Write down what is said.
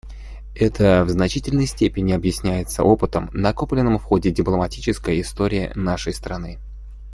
Это в значительной степени объясняется опытом, накопленным в ходе дипломатической истории нашей страны.